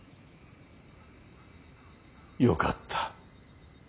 よかった。